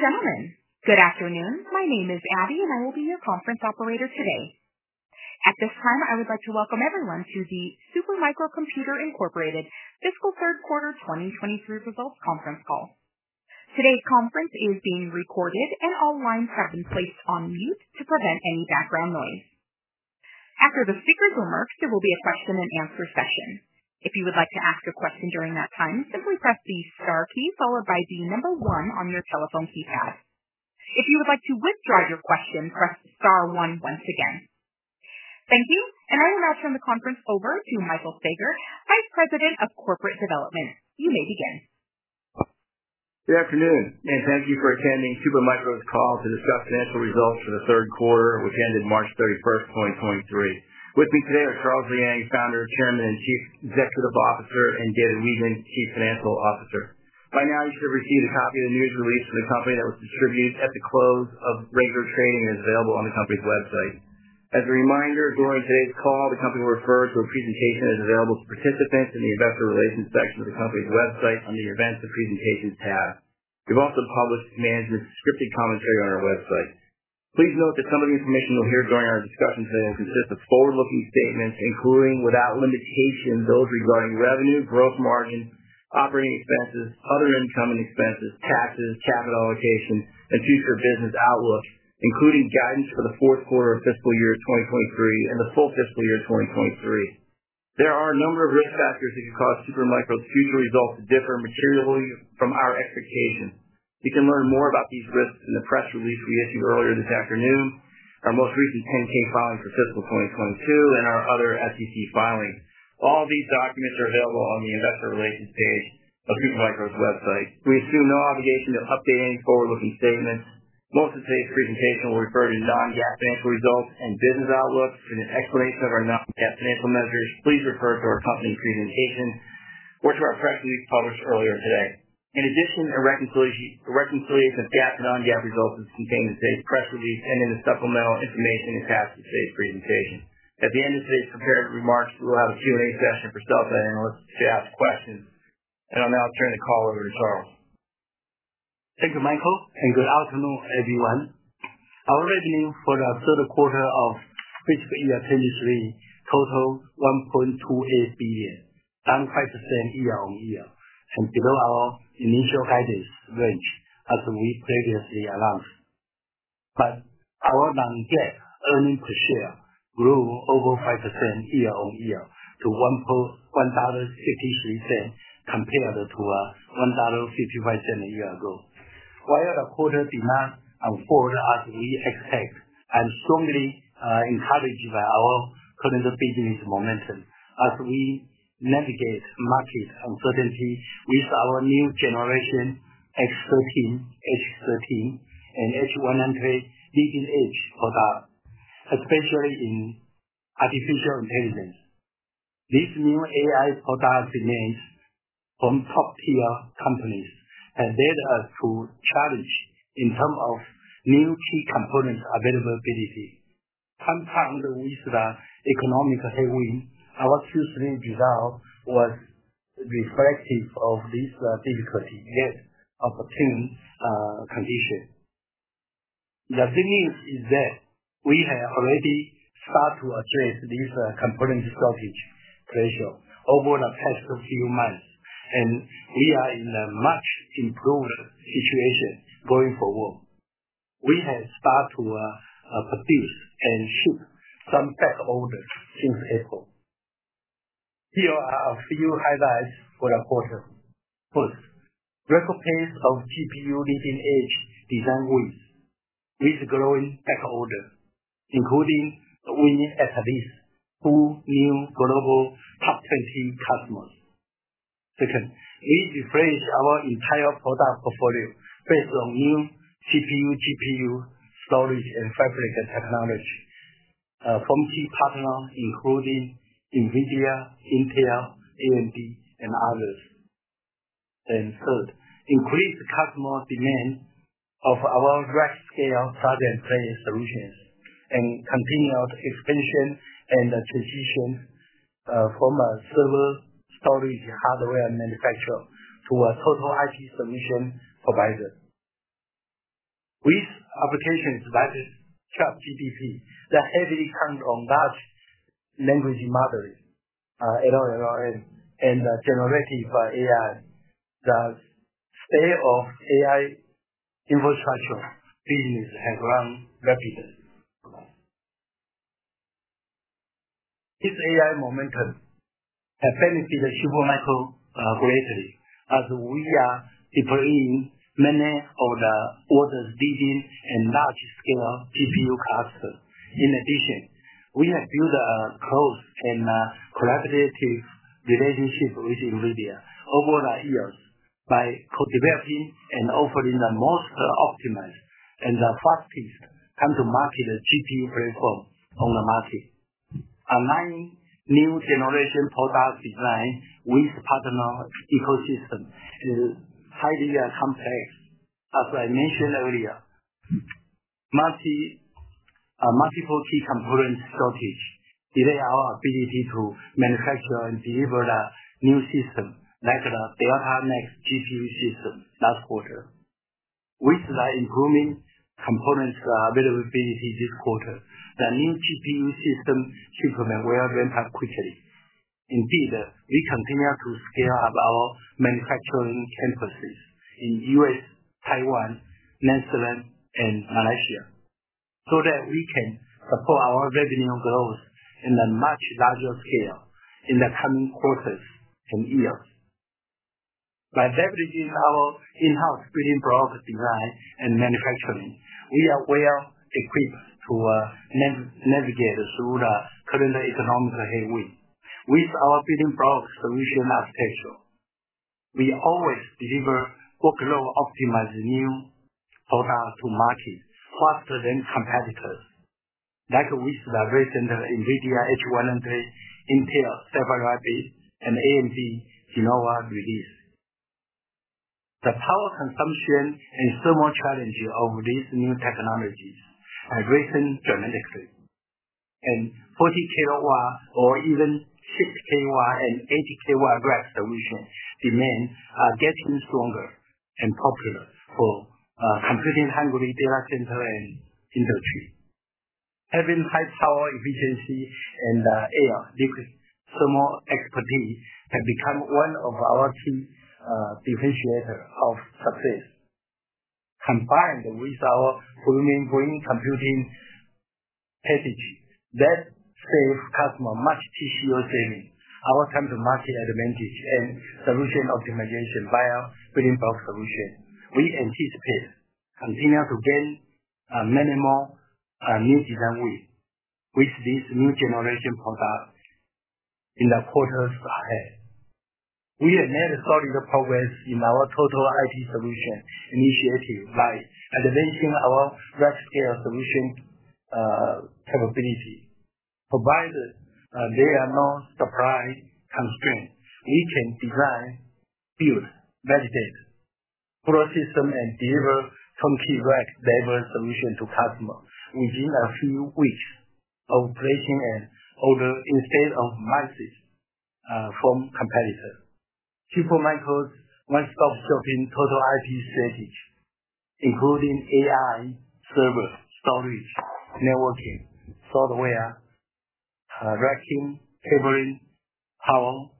Ladies and gentlemen, good afternoon. My name is Abby and I will be your conference operator today. At this time, I would like to welcome everyone to the Super Micro Computer, Inc. Fiscal Third Quarter 2023 Results Conference Call. Today's conference is being recorded and all lines have been placed on mute to prevent any background noise. After the speakers remarks, there will be a question-and-answer session. If you would like to ask a question during that time, simply press the Star key followed by the number one on your telephone keypad. If you would like to withdraw your question, press Star one once again. Thank you. I will now turn the conference over to Michael Staiger, Vice President of Corporate Development. You may begin. Good afternoon. Thank you for attending Super Micro's call to discuss financial results for the third quarter, which ended March 31st, 2023. With me today are Charles Liang, Founder, Chairman, and Chief Executive Officer, and David Weigand, Chief Financial Officer. By now, you should have received a copy of the news release from the company that was distributed at the close of regular trading and is available on the company's website. As a reminder, during today's call, the company will refer to a presentation that is available to participants in the investor relations section of the company's website under the Events and Presentations tab. We've also published management's scripted commentary on our website. Please note that some of the information you'll hear during our discussion today will consist of forward-looking statements, including without limitation, those regarding revenue, gross margin, operating expenses, other income and expenses, taxes, capital allocation, and future business outlook, including guidance for the fourth quarter of fiscal year 2023 and the full fiscal year 2023. There are a number of risk factors that could cause Super Micro's future results to differ materially from our expectations. You can learn more about these risks in the press release we issued earlier this afternoon, our most recent 10-K filing for Fiscal 2022, and our other SEC filings. All these documents are available on the investor relations page of Super Micro's website. We assume no obligation to update any forward-looking statements. Most of today's presentation will refer to non-GAAP financial results and business outlook. For an explanation of our non-GAAP financial measures, please refer to our company presentation or to our press release published earlier today. In addition, a reconciliation of GAAP non-GAAP results is contained in today's press release and in the supplemental information attached to today's presentation. At the end of today's prepared remarks, we will have a Q&A session for sell-side analysts to ask questions. I'll now turn the call over to Charles. Thank you, Michael. Good afternoon, everyone. Our revenue for the third quarter of fiscal year 2023 totaled $1.28 billion, down 5% year-on-year and below our initial guidance range, as we previously announced. Our non-GAAP earnings per share grew over 5% year-on-year to $1.63 compared to $1.55 a year ago. While the quarter demand on product we expect and strongly encouraged by our current business momentum as we navigate market uncertainty with our new generation X13, H13, and H100 leading-edge product, especially in artificial intelligence. This new AI product demands from top tier companies has led us to challenge in terms of new key components availability. Sometimes with the economic tailwind, our Q3 result was reflective of this difficulty yet opportune condition. The thing is that we have already start to address this component shortage pressure over the past few months. We are in a much improved situation going forward. We have start to produce and ship some back orders since April. Here are a few highlights for the quarter. First, record pace of GPU leading edge design wins with growing back order, including winning at least four new global top 20 customers. Second, we refresh our entire product portfolio based on new CPU, GPU, storage and fabric technology from key partners including NVIDIA, Intel, AMD, and others. Third, increased customer demand of our large scale Plug and Play solutions and continuous expansion and transition from a server storage hardware manufacturer to a total IT solution provider. With applications such as ChatGPT that heavily count on large language models, LLM, and generated by AI, the state of AI infrastructure business has grown rapidly. This AI momentum has benefited Super Micro greatly as we are deploying many of the world's leading and large-scale GPU cluster. In addition, we have built a close and collaborative relationship with NVIDIA over the years by co-developing and offering the most optimized and the fastest time to market GPU platform on the market. Aligning new generation product design with partner ecosystem is highly complex. As I mentioned earlier, multiple key component shortage delay our ability to manufacture and deliver the new system, like the Delta Next GPU system last quarter. With the improving components availability this quarter, the new GPU system shipment will ramp up quickly. Indeed, we continue to scale up our manufacturing campuses in U.S., Taiwan, Netherlands, and Malaysia, so that we can support our revenue growth in a much larger scale in the coming quarters and years. By leveraging our in-house Building Blocks design and manufacturing, we are well-equipped to navigate through the current economic headwind. With our Building Block Solution architecture, we always deliver workload optimized new product to market faster than competitors, like with the recent NVIDIA H100, Intel Server IP, and AMD Genoa release. The power consumption and thermal challenges of these new technologies have risen dramatically, 40 kW or even 6 kW and 80 kW rack solution demand are getting stronger and popular for computing hungry data center and industry. Having high power efficiency and AI liquid thermal expertise have become one of our key differentiator of success. Combined with our blooming green computing strategy that save customer much TCO saving, our time to market advantage and solution optimization via Building Block solution, we anticipate continue to gain many more new design wins with this new generation product in the quarters ahead. We have made solid progress in our total IT solution initiative by advancing our rack scale solution capability. Provided there are no supply constraints, we can design, build, validate, full system and deliver turnkey rack level solution to customer within a few weeks of placing an order instead of months from competitor. Super Micro's one stop shopping total IT strategy, including AI, server, storage, networking, software, racking, cabling, power,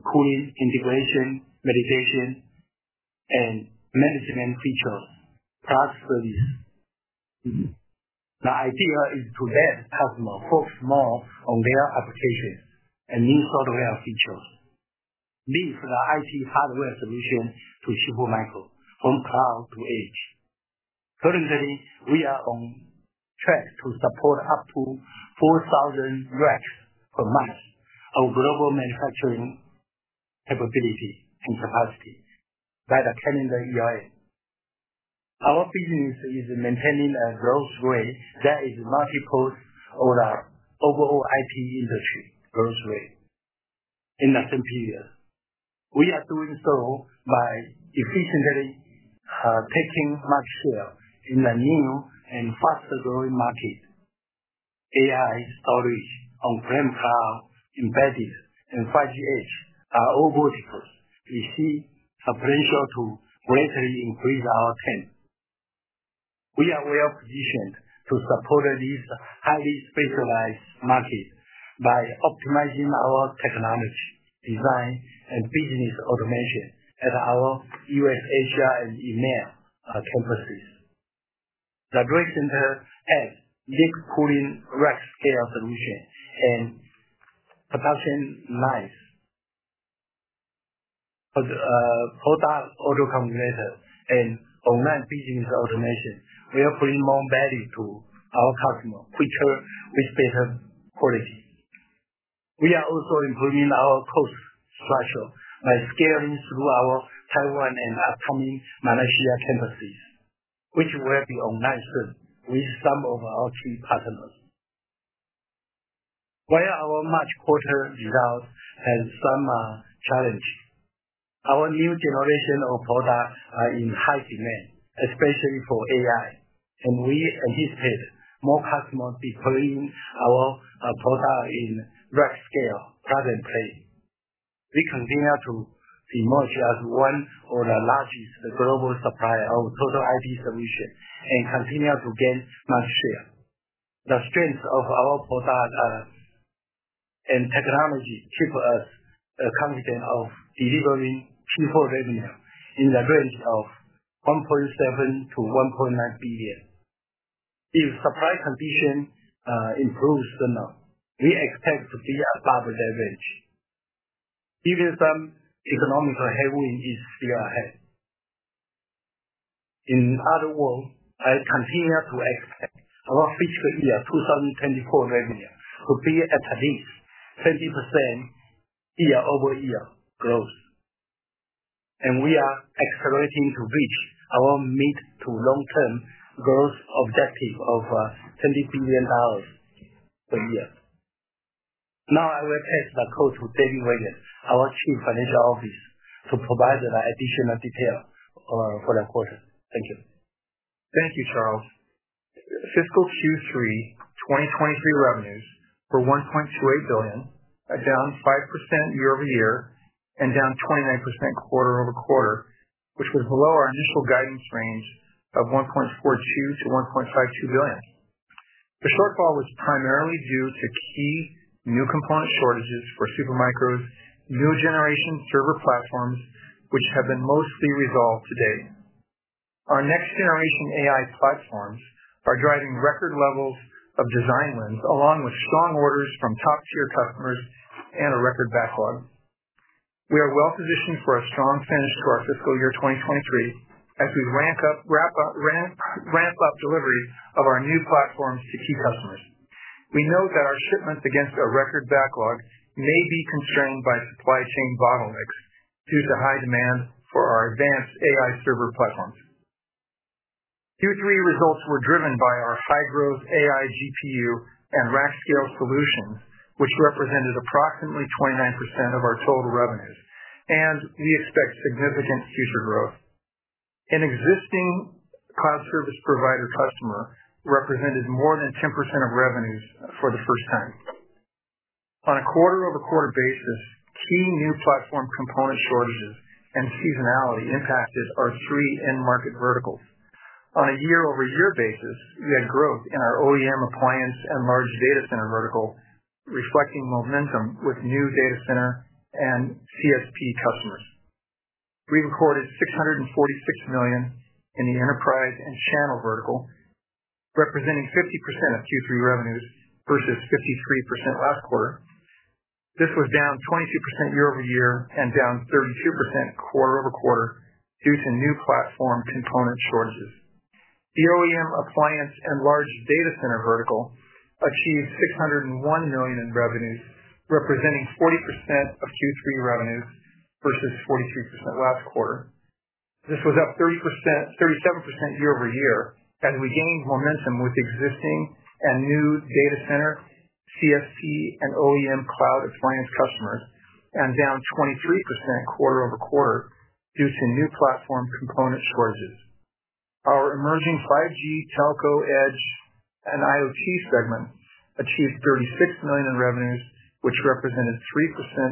cooling, integration, validation, and management features, plus service. The idea is to let customer focus more on their applications and new software features. Leave the IT hardware solution to Super Micro from cloud to edge. Currently, we are on track to support up to 4,000 racks per month of global manufacturing capability and capacity by the calendar year-end. Our business is maintaining a growth rate that is multiples of the overall IT industry growth rate in the same period. We are doing so by efficiently taking much share in the new and faster growing market. AI, storage, on-prem cloud, embedded and 5G edge are all verticals we see a potential to greatly increase our trend. We are well-positioned to support these highly specialized market by optimizing our technology, design and business automation at our U.S., Asia and EMEA campuses. The data center and liquid cooling rack scale solution and production lines. For the product auto configurator and online business automation, we are bringing more value to our customer, quicker with better quality. We are also improving our cost structure by scaling through our Taiwan and upcoming Malaysia campuses, which will be online soon with some of our key partners. While our March quarter results has some challenge, our new generation of products are in high demand, especially for AI, and we anticipate more customers deploying our product in rack scale rather than blade. We continue to be merged as one of the largest global supplier of total IT solution and continue to gain much share. The strength of our products and technology keep us confident of delivering Q4 revenue in the range of $1.7 billion-$1.9 billion. If supply condition improves enough, we expect to be above the range, given some economical headwind is still ahead. In other words, I continue to expect our fiscal year 2024 revenue to be at least 20% year-over-year growth, and we are accelerating to reach our mid to long term growth objective of, $20 billion per year. Now I will ask David Weigand, our Chief Financial Officer, to provide the additional detail for that quarter. Thank you. Thank you, Charles. Fiscal Q3 2023 revenues were $1.28 billion, down 5% year-over-year and down 29% quarter-over-quarter, which was below our initial guidance range of $1.42 billion-$1.52 billion. The shortfall was primarily due to key new component shortages for Super Micro's new-generation server platforms, which have been mostly resolved to date. Our next-generation AI platforms are driving record levels of design wins, along with strong orders from top-tier customers and a record backlog. We are well positioned for a strong finish to our fiscal year 2023 as we ramp up deliveries of our new platforms to key customers. We know that our shipments against our record backlog may be constrained by supply chain bottlenecks due to high demand for our advanced AI server platforms. Q3 results were driven by our high growth AI GPU and rack scale solutions, which represented approximately 29% of our total revenues. We expect significant future growth. An existing cloud service provider customer represented more than 10% of revenues for the first time. On a quarter-over-quarter basis, key new platform component shortages and seasonality impacted our three end market verticals. On a year-over-year basis, we had growth in our OEM appliance and large data center vertical, reflecting momentum with new data center and CSP customers. We recorded $646 million in the enterprise and channel vertical, representing 50% of Q3 revenues versus 53% last quarter. This was down 22% year-over-year and down 32% quarter-over-quarter due to new platform component shortages. The OEM appliance and large data center vertical achieved $601 million in revenues, representing 40% of Q3 revenues versus 42% last quarter. This was up 30%, 37% year-over-year as we gained momentum with existing and new data center, CSP and OEM cloud appliance customers, and down 23% quarter-over-quarter due to new platform component shortages. Our emerging 5G Telco Edge and IoT segment achieved $36 million in revenues, which represented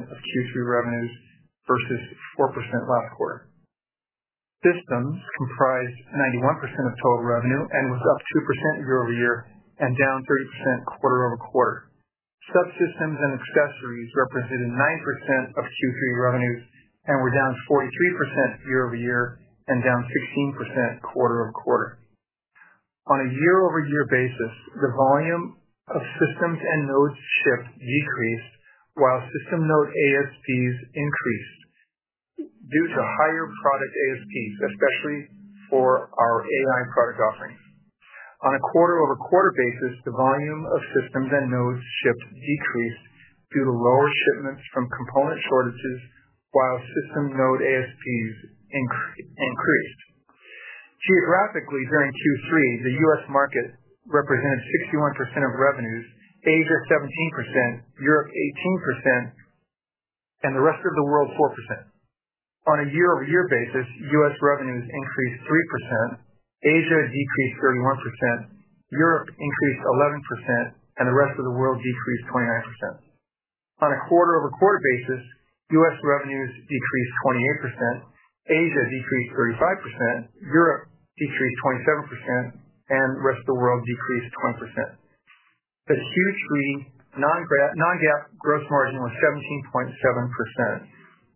3% of Q3 revenues versus 4% last quarter. Systems comprised 91% of total revenue and was up 2% year-over-year and down 30% quarter-over-quarter. Subsystems and accessories represented 9% of Q3 revenues and were down 43% year-over-year and down 16% quarter-over-quarter. On a year-over-year basis, the volume of systems and nodes shipped decreased, while system node ASPs increased due to higher product ASPs, especially for our AI product offerings. On a quarter-over-quarter basis, the volume of systems and nodes shipped decreased due to lower shipments from component shortages, while system node ASPs increased. Geographically, during Q3, the U.S. market represented 61% of revenues. Asia 17%, Europe 18%, and the rest of the world 4%. On a year-over-year basis, U.S. revenues increased 3%, Asia decreased 31%, Europe increased 11%, and the rest of the world decreased 29%. On a quarter-over-quarter basis, U.S. revenues decreased 28%, Asia decreased 35%, Europe decreased 27%, and rest of the world decreased 20%. The Q3 non-GAAP gross margin was 17.7%.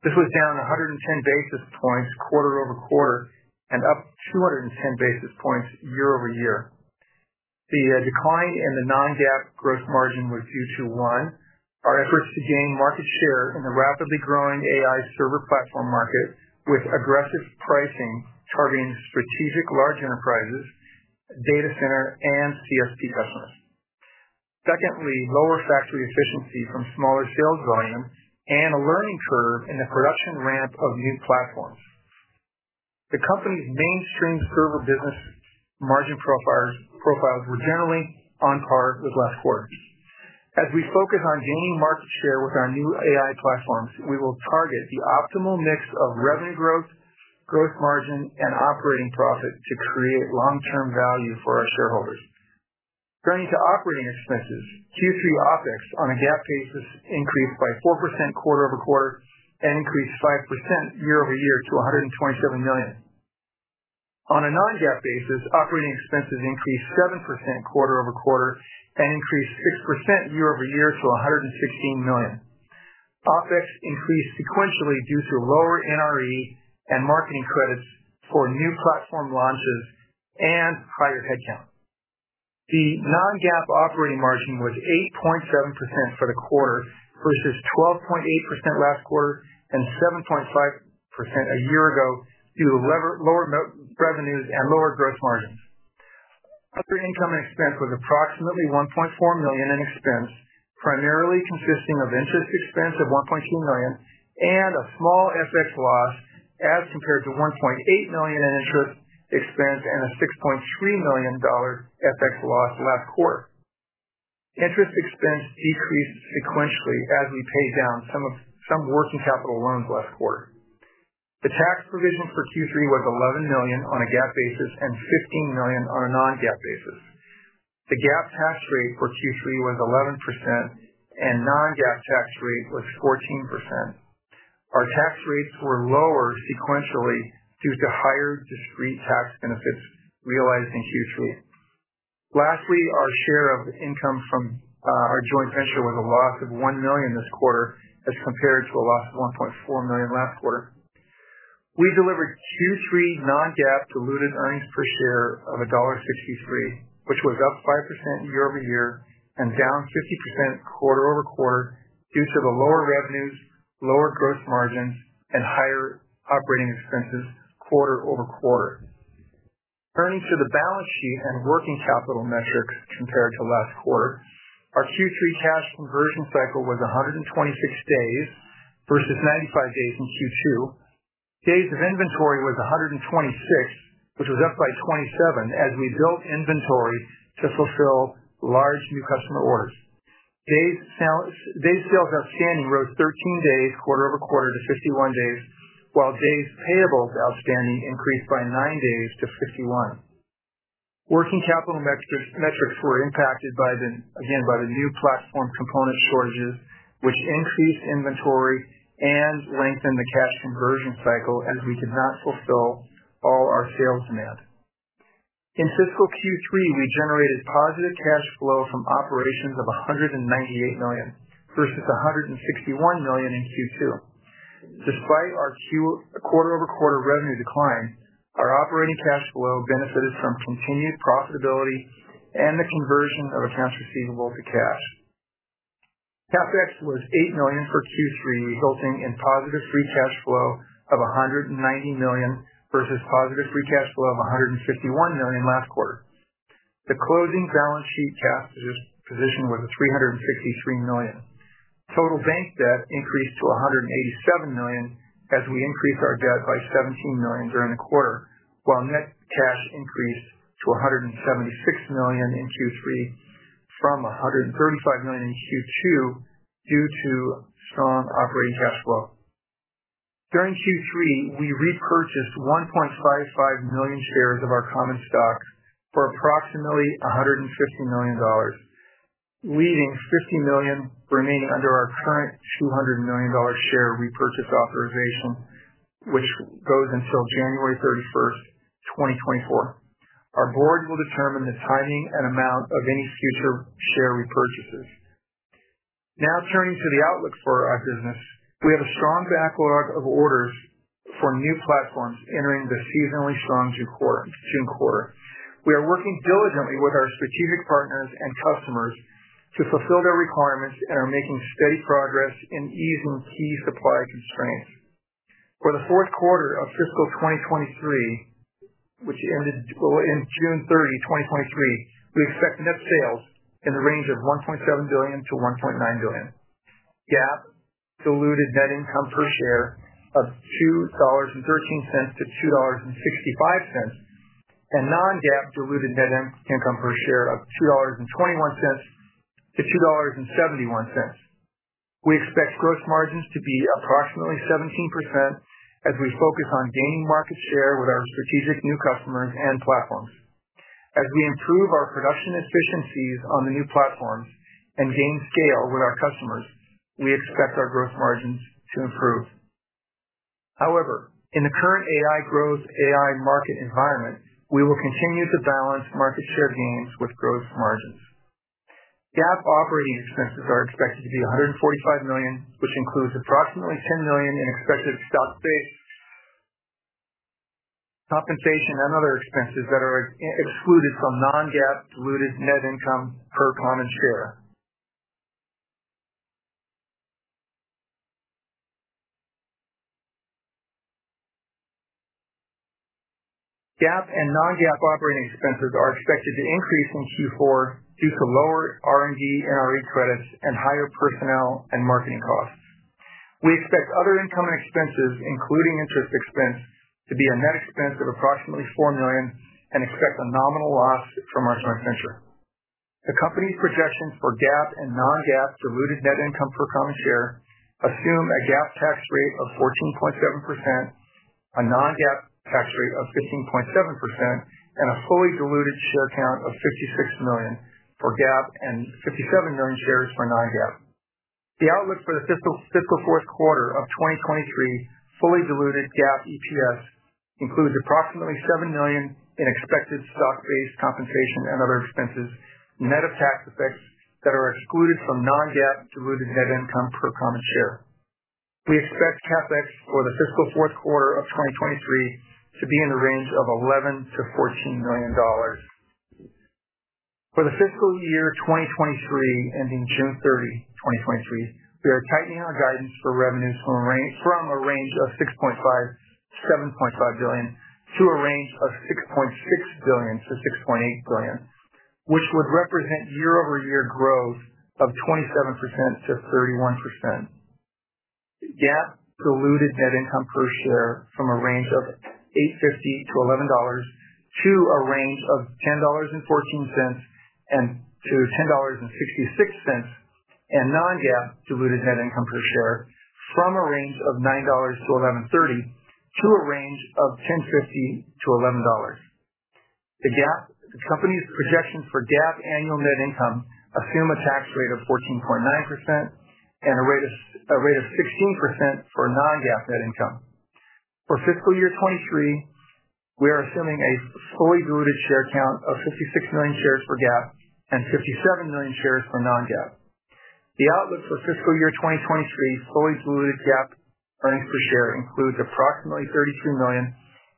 This was down 110 basis points quarter-over-quarter and up 210 basis points year-over-year. The decline in the non-GAAP gross margin was due to, one, our efforts to gain market share in the rapidly growing AI server platform market with aggressive pricing targeting strategic large enterprises, data center and CSP customers. Secondly, lower factory efficiency from smaller sales volume and a learning curve in the production ramp of new platforms. The company's mainstream server business margin profiles were generally on par with last quarter. As we focus on gaining market share with our new AI platforms, we will target the optimal mix of revenue growth margin and operating profit to create long-term value for our shareholders. Turning to operating expenses, Q3 OpEx on a GAAP basis increased by 4% quarter-over-quarter and increased 5% year-over-year to $127 million. On a non-GAAP basis, operating expenses increased 7% quarter-over-quarter and increased 6% year-over-year to $116 million. OpEx increased sequentially due to lower NRE and marketing credits for new platform launches and higher headcount. The non-GAAP operating margin was 8.7% for the quarter versus 12.8% last quarter and 7.5% a year ago due to lower revenues and lower gross margins. Other income and expense was approximately $1.4 million in expense, primarily consisting of interest expense of $1.2 million and a small FX loss as compared to $1.8 million in interest expense and a $6.3 million FX loss last quarter. Interest expense decreased sequentially as we paid down some working capital loans last quarter. The tax provision for Q3 was $11 million on a GAAP basis and $15 million on a non-GAAP basis. The GAAP tax rate for Q3 was 11% and non-GAAP tax rate was 14%. Our tax rates were lower sequentially due to higher discrete tax benefits realized in Q3. Lastly, our share of income from our joint venture was a loss of $1 million this quarter as compared to a loss of $1.4 million last quarter. We delivered Q3 non-GAAP diluted earnings per share of $1.63, which was up 5% year-over-year and down 50% quarter-over-quarter due to the lower revenues, lower gross margins, and higher operating expenses quarter-over-quarter. Turning to the balance sheet and working capital metrics compared to last quarter. Our Q3 cash conversion cycle was 126 days versus 95 days in Q2. Days of inventory was 126, which was up by 27 as we built inventory to fulfill large new customer orders. Days sales outstanding rose 13 days quarter-over-quarter to 51 days, while days payables outstanding increased by 9 days to 51. Working capital metrics were impacted by the new platform component shortages, which increased inventory and lengthened the cash conversion cycle as we could not fulfill all our sales demand. In fiscal Q3, we generated positive cash flow from operations of $198 million versus $161 million in Q2. Despite our quarter-over-quarter revenue decline, our operating cash flow benefited from continued profitability and the conversion of accounts receivable to cash. CapEx was $8 million for Q3, resulting in positive free cash flow of $190 million versus positive free cash flow of $151 million last quarter. The closing balance sheet cash position was $363 million. Total bank debt increased to $187 million as we increased our debt by $17 million during the quarter, while net cash increased to $176 million in Q3 from $135 million in Q2 due to strong operating cash flow. During Q3, we repurchased 1.55 million shares of our common stock for approximately $150 million, leaving $50 million remaining under our current $200 million share repurchase authorization, which goes until January 31st, 2024. Our board will determine the timing and amount of any future share repurchases. Turning to the outlook for our business. We have a strong backlog of orders for new platforms entering the seasonally strong June quarter. We are working diligently with our strategic partners and customers to fulfill their requirements and are making steady progress in easing key supply constraints. For the fourth quarter of Fiscal 2023, which ended on June 30, 2023, we expect to net sales in the range of $1.7 billion-$1.9 billion. GAAP diluted net income per share of $2.13-$2.65, and non-GAAP diluted net income per share of $2.21-$2.71. We expect gross margins to be approximately 17% as we focus on gaining market share with our strategic new customers and platforms. As we improve our production efficiencies on the new platforms and gain scale with our customers, we expect our gross margins to improve. However, in the current AI growth, AI market environment, we will continue to balance market share gains with gross margins. GAAP operating expenses are expected to be $145 million, which includes approximately $10 million in expected stock-based compensation and other expenses that are excluded from non-GAAP diluted net income per common share. GAAP and non-GAAP operating expenses are expected to increase in Q4 due to lower R&D and NRE credits and higher personnel and marketing costs. We expect other income and expenses, including interest expense, to be a net expense of approximately $4 million and expect a nominal loss from our joint venture. The company's projections for GAAP and non-GAAP diluted net income per common share assume a GAAP tax rate of 14.7%, a non-GAAP tax rate of 15.7%, and a fully diluted share count of 56 million for GAAP and 57 million shares for non-GAAP. The outlook for the fiscal fourth quarter of 2023 fully diluted GAAP EPS includes approximately $7 million in expected stock-based compensation and other expenses, net of tax effects that are excluded from non-GAAP diluted net income per common share. We expect CapEx for the fiscal fourth quarter of 2023 to be in the range of $11 million-$14 million. For the fiscal year 2023, ending June 30, 2023, we are tightening our guidance for revenues from a range of $6.5 billion-$7.5 billion to a range of $6.6 billion-$6.8 billion, which would represent year-over-year growth of 27%-31%. GAAP diluted net income per share from a range of $8.50-$11.00 to a range of $10.14-$10.66, and non-GAAP diluted net income per share from a range of $9.00-$11.30 to a range of $10.50-$11.00. The company's projections for GAAP annual net income assume a tax rate of 14.9% and a rate of 16% for non-GAAP net income. For fiscal year 2023, we are assuming a fully diluted share count of 56 million shares for GAAP and 57 million shares for non-GAAP. The outlook for fiscal year 2023 fully diluted GAAP earnings per share includes approximately $32 million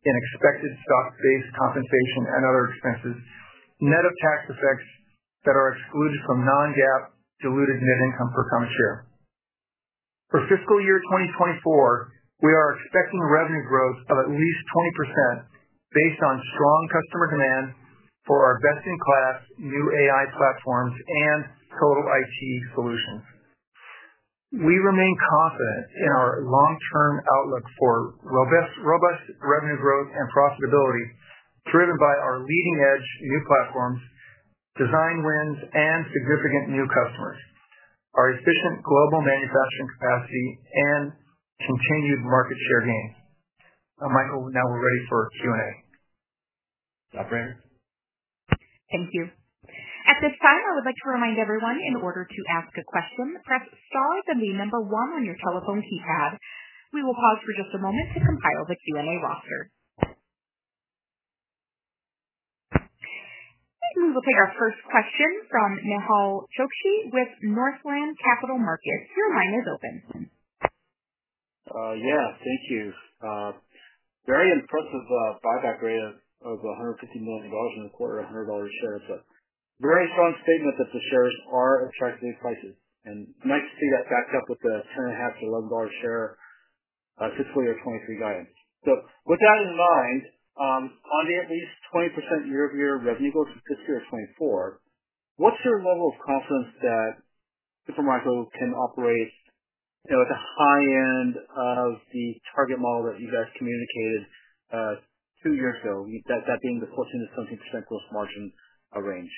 in expected stock-based compensation and other expenses, net of tax effects that are excluded from non-GAAP diluted net income per common share. For fiscal year 2024, we are expecting revenue growth of at least 20% based on strong customer demand for our best-in-class new AI platforms and total IT solutions. We remain confident in our long-term outlook for robust revenue growth and profitability, driven by our leading edge new platforms, design wins and significant new customers, our efficient global manufacturing capacity, and continued market share gains. Michael, now we're ready for Q&A. Operator? Thank you. At this time, I would like to remind everyone, in order to ask a question, press Star then one on your telephone keypad. We will pause for just a moment to compile the Q&A roster. We will take our first question from Nehal Chokshi with Northland Capital Markets. Your line is open. Yeah, thank you. Very impressive buyback rate of $150 million in the quarter at $100 a share. It's a very strong statement that the shares are attractive prices, and nice to see that backed up with the $10.50-$11 a share fiscal year 2023 guidance. With that in mind, on the at least 20% year-over-year revenue growth in fiscal year 2024, what's your level of confidence that Super Micro can operate, you know, at the high end of the target model that you guys communicated two years ago, that being the 14%-17% gross margin range?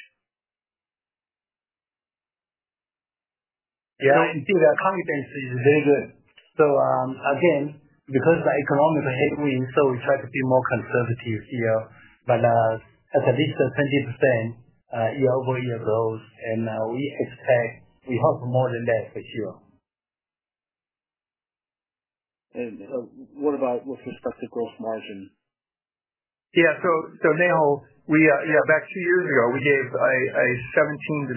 Yeah. As you see, the company base is very good. Again, because the economic headwind, so we try to be more conservative here, but at least a 20% year-over-year growth and we expect we hope more than that this year. What about with respect to gross margin? Nehal, we, two years ago, we gave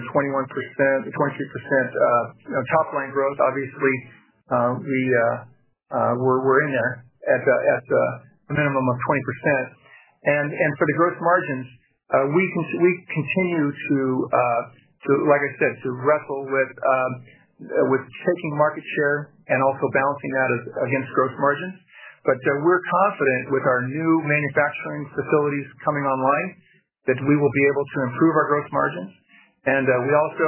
17%-21%, 22%, you know, top line growth. We're in there at the minimum of 20%. For the gross margins, we continue to, like I said, to wrestle with taking market share and also balancing that as against gross margins. We're confident with our new manufacturing facilities coming online, that we will be able to improve our gross margins. We also,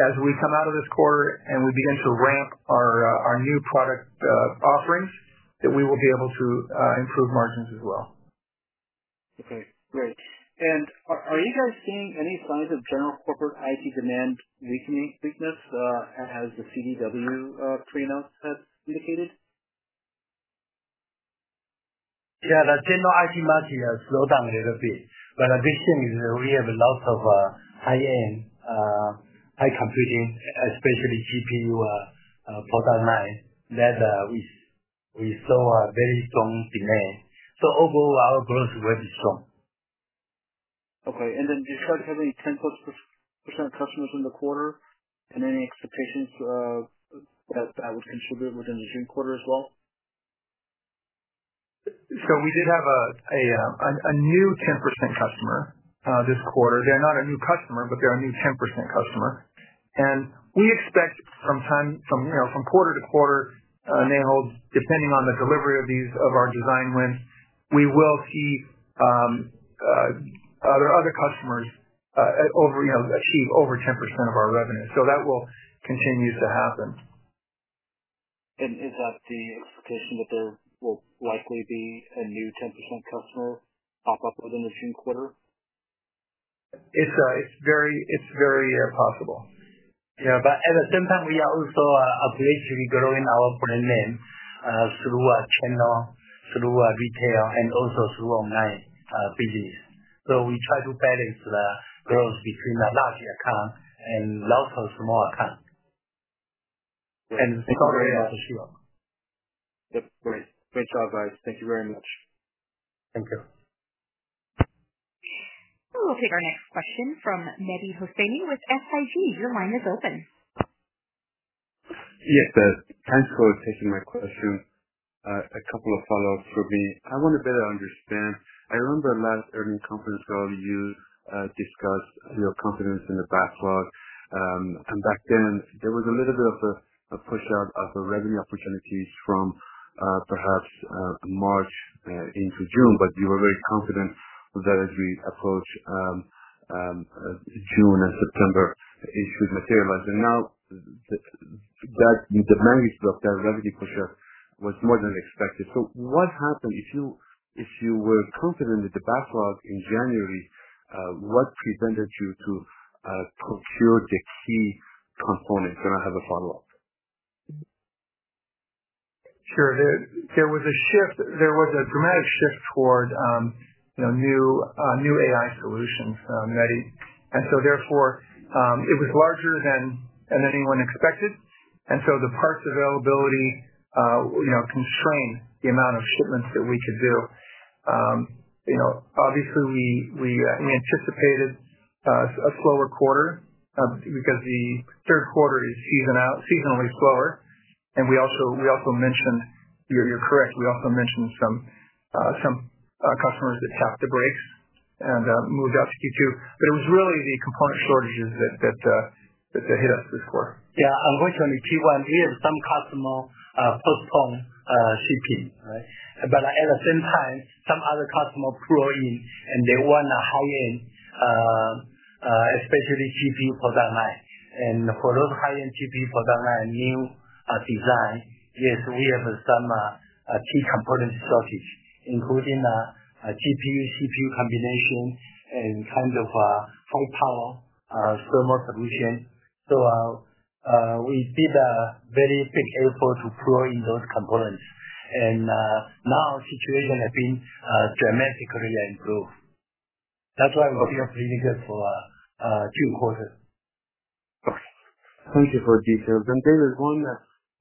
as we come out of this quarter and we begin to ramp our new product offerings, that we will be able to improve margins as well. Okay, great. Are you guys seeing any signs of general corporate IT demand weakness, as the CDW has indicated? Yeah, the general IT market has slowed down a little bit, but the big thing is we have a lot of high-end, high computing, especially GPU, product line that we saw a very strong demand. Overall, our growth is very strong. Okay. Did you have any 10+% customers in the quarter and any expectations that would contribute within the June quarter as well? We did have a new 10% customer this quarter. They're not a new customer, but they're a new 10% customer. We expect from time, you know, from quarter-to-quarter, Nehal, depending on the delivery of these, of our design wins, we will see other customers at over, you know, achieve over 10% of our revenue. That will continue to happen. Is that the expectation that there will likely be a new 10% customer pop up within the June quarter? It's very possible. Yeah. At the same time we are also aggressively growing our brand name through our channel, through our retail, and also through online business. We try to balance the growth between the large account and lots of small accounts. The sure. Yep. Great. Great job, guys. Thank you very much. Thank you. We'll take our next question from Mehdi Hosseini with SIG. Your line is open. Yes. Thanks for taking my question. A couple of follow-ups for me. I want to better understand. I remember last earnings conference call you discussed your confidence in the backlog. Back then, there was a little bit of a push out of the revenue opportunities from perhaps March into June, but you were very confident that as we approach June and September, it should materialize. Now that the magnitude of that revenue push-up was more than expected. What happened? If you were confident that the backlog in January, what prevented you to procure the key components? I have a follow-up. Sure. There was a shift. There was a dramatic shift toward, you know, new AI solutions, inaudible. Therefore, it was larger than anyone expected. The parts availability, you know, constrained the amount of shipments that we could do. You know, obviously we anticipated a slower quarter, because the third quarter is seasonally slower. We also mentioned, you're correct, we also mentioned some customers that tapped the brakes and moved out to Q2. It was really the component shortages that hit us this quarter. Yeah, I'm going to. We have some customer postpone CPU, right? At the same time, some other customer pull in, and they want a high-end, especially CPU for data. For those high-end CPU for data new design, yes, we have some a key component shortage, including a GPU/CPU combination and kind of high power thermal solution. We did a very big effort to pull in those components. Now situation has been dramatically improved. That's why we are pretty good for June quarter. Okay. Thank you for details. There is one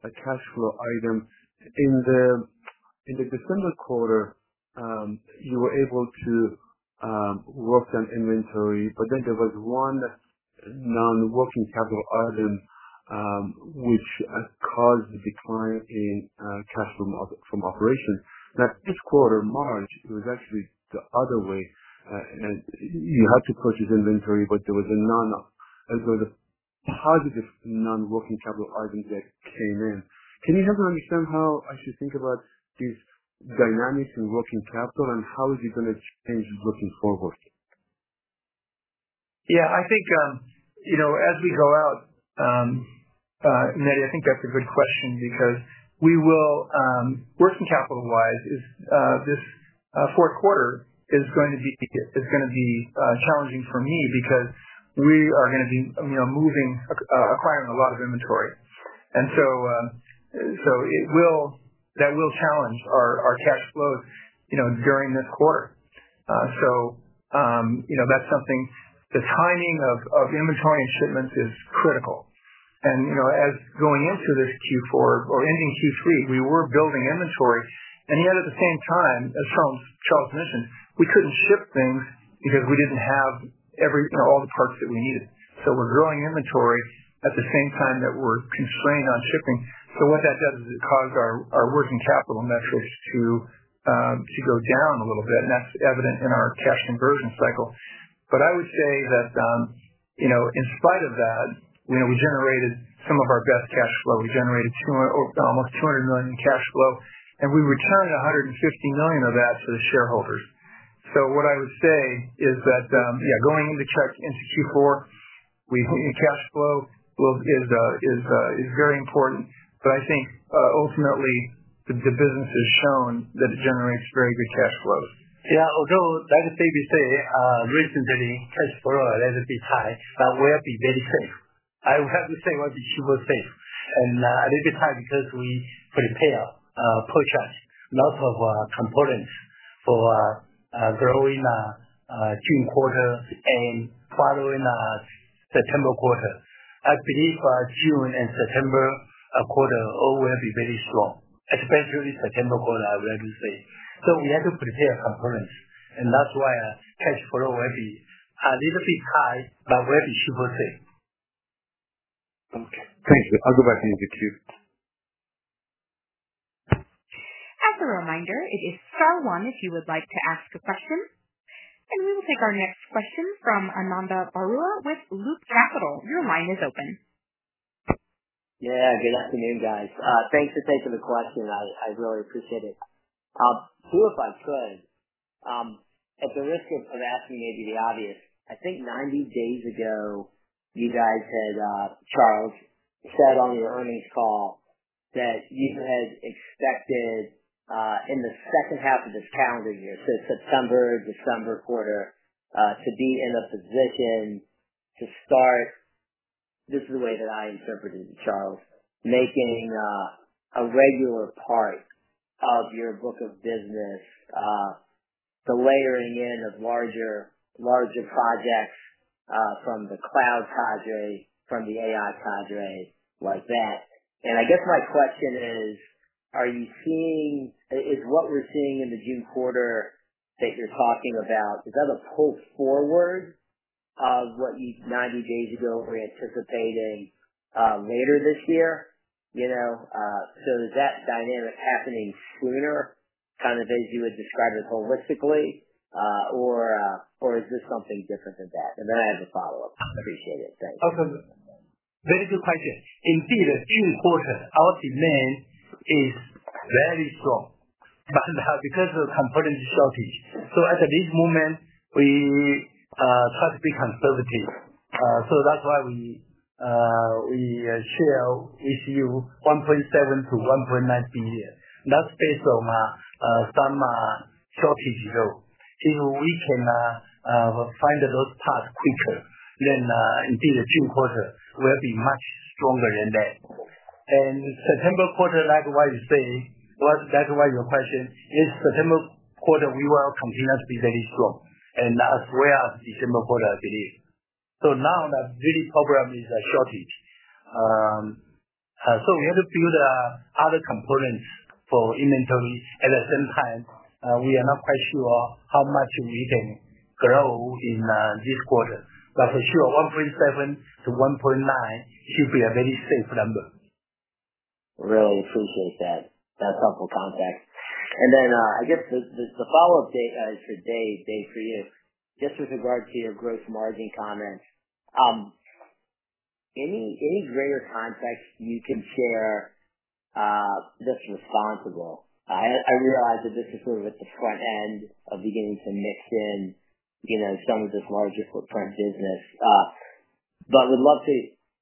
cash flow item. In the December quarter, you were able to work on inventory, but then there was one non-working capital item, which caused the decline in cash from operations. This quarter, March, it was actually the other way. And you had to purchase inventory, but there was a non, there was a positive non-working capital item that came in. Can you help me understand how I should think about these dynamics in working capital and how is it gonna change looking forward? Yeah, I think, you know, as we go out, I think that's a good question because we will, working capital-wise is this fourth quarter is gonna be challenging for me because we are gonna be, you know, acquiring a lot of inventory. That will challenge our cash flows, you know, during this quarter. You know, that's something the timing of inventory and shipments is critical. You know, as going into this Q4 or ending Q3, we were building inventory. At the same time, as Charles mentioned, we couldn't ship things because we didn't have every, you know, all the parts that we needed. We're growing inventory at the same time that we're constrained on shipping. What that does is it caused our working capital metrics to go down a little bit, and that's evident in our cash conversion cycle. I would say that, you know, in spite of that, you know, we generated some of our best cash flow. We generated almost $200 million in cash flow, and we returned $150 million of that to the shareholders. What I would say is that, yeah, going into Q4, we think cash flow will, is very important. I think, ultimately the business has shown that it generates very good cash flows. Yeah. Although, like the say, recently cash flow a little bit high, but we have to be very safe. I have to say what the safe. A little bit high because we prepare purchase lot of components for growing June quarter and following September quarter. I believe June and September quarter all will be very strong, especially September quarter I will say. We had to prepare components, and that's why cash flow will be a little bit high, but we'll be super safe. Okay. Thank you. Other questions for Q? As a reminder, it is Star one if you would like to ask a question. We will take our next question from Ananda Baruah with Loop Capital. Your line is open. Yeah. Good afternoon, guys. Thanks for taking the question. I really appreciate it. two if I could. At the risk of asking maybe the obvious, I think 90 days ago, you guys had. Charles said on your earnings call that you had expected in the second half of this calendar year, so September, December quarter, to be in a position to start, this is the way that I interpreted it, Charles, making a regular part of your book of business, the layering in of larger projects from the cloud cadre, from the AI cadre, like that. I guess my question is, are you seeing? Is what we're seeing in the June quarter that you're talking about, is that a pull forward of what you 90 days ago were anticipating later this year? You know, is that dynamic happening sooner, kind of as you would describe it holistically, or is this something different than that? I have a follow-up. Appreciate it. Thanks. Very good question. Q4, our demand is very strong, but because of component shortage. At this moment, we have to be conservative. That's why we share issue $1.7 billion-$1.9 billion. That's based on some shortage though. If we can find those parts quicker, indeed the Q4 will be much stronger than that. September quarter, like what you say, was that what your question, is September quarter, we will continue to be very strong as well as December quarter, I believe. Now the big problem is the shortage. We have to build other components for inventory. At the same time, we are not quite sure how much we can grow in this quarter. For sure, $1.7 billion-$1.9 billion should be a very safe number. Really appreciate that. That's helpful context. Then, I guess the follow-up Dave, to Dave, for you, just with regard to your gross margin comments, any greater context you can share that's responsible? I realize that this is sort of at the front end of beginning to mix in, you know, some of this larger footprint business. Would love to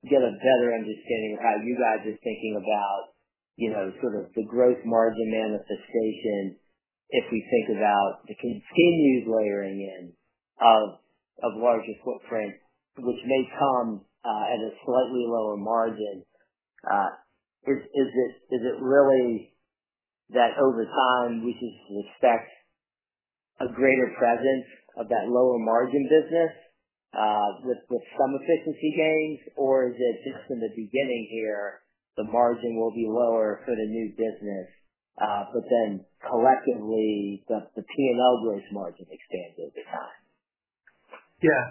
get a better understanding how you guys are thinking about, you know, sort of the gross margin manifestation if we think about the continued layering in of larger footprint, which may come at a slightly lower margin. Is it really that over time we should expect a greater presence of that lower margin business, with some efficiency gains? Is it just in the beginning here, the margin will be lower for the new business, but then collectively the PNL gross margin expands over time? Yeah.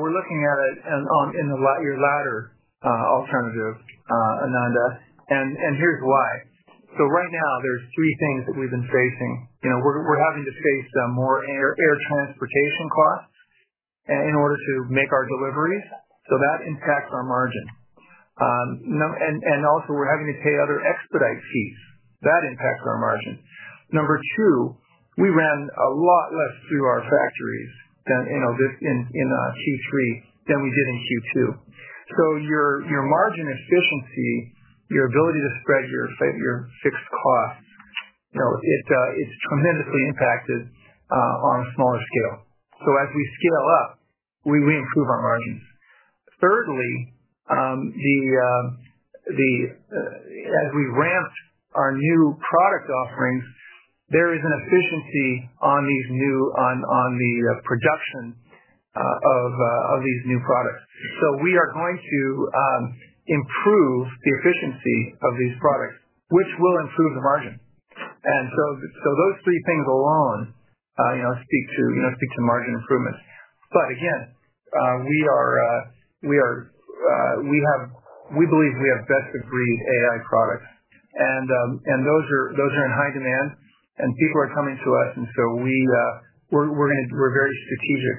We're looking at it and, in your latter alternative, Ananda. Here's why. Right now there's three things that we've been facing. You know, we're having to face more air transportation costs in order to make our deliveries. That impacts our margin. Also we're having to pay other expedite fees. That impacts our margin. Number two, we ran a lot less through our factories than, you know, this, in Q3 than we did in Q2. Your margin efficiency, your ability to spread your fixed costs, you know, it's tremendously impacted on a smaller scale. As we scale up, we improve our margins. Thirdly, the, as we ramp our new product offerings, there is an efficiency on these new on the production of these new products. We are going to improve the efficiency of these products, which will improve the margin. Those three things alone, you know, speak to, you know, speak to margin improvements. Again, we are, we have, we believe we have best-of-breed AI products and those are in high demand and people are coming to us. We, we're gonna, we're very strategic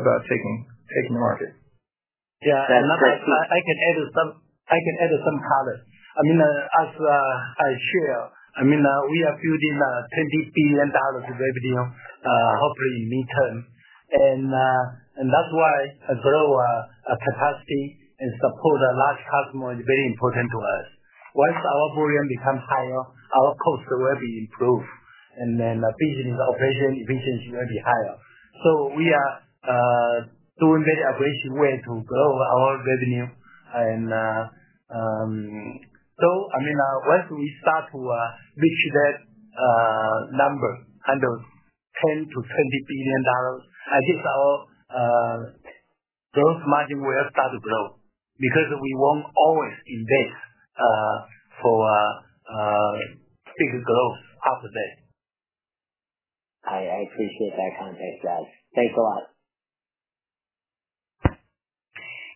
about taking market. That's helpful. Yeah. I can add some color. I mean, as I share, I mean, we are building $20 billion of revenue, hopefully midterm. That's why to grow our capacity and support a large customer is very important to us. Once our volume becomes higher, our costs will be improved, and then business operation efficiency will be higher. We are doing very aggressive way to grow our revenue. I mean, once we start to reach that number under $10 billion-$20 billion, I think our gross margin will start to grow because we won't always invest for bigger growth after that. I appreciate that context, guys. Thanks a lot.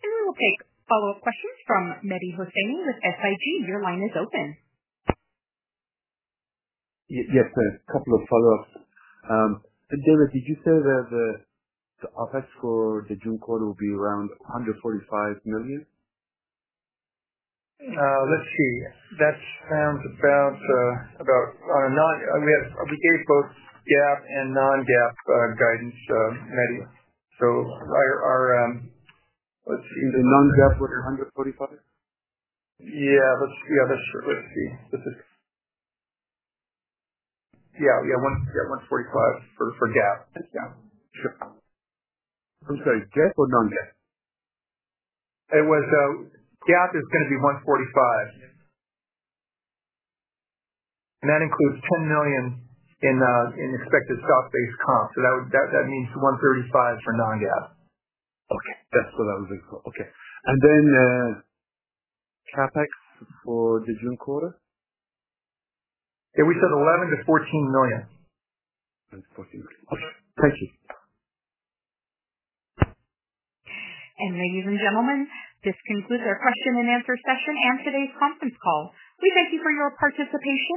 We'll take follow-up questions from Mehdi Hosseini with SIG. Your line is open. Yes, sir. A couple of follow-ups. David, did you say that the OpEx for the June quarter will be around $145 million? let's see. That sounds about. We have, we gave both GAAP and non-GAAP guidance, Mehdi. let's see the non-GAAP was $145. Let's double check. $145 for GAAP. Sure. I'm sorry, GAAP or non-GAAP? It was GAAP is going to be $145. That includes $10 million in expected stock-based comp. That means $135 for non-GAAP. Okay. That's what I was looking for. Okay. Then, CapEx for the June quarter? Yeah, we said $11 million-$14 million. 11-14. Okay. Thank you. Ladies and gentlemen, this concludes our question-and-answer session and today's conference call. We thank you for your participation.